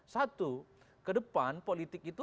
satu ke depan politik itu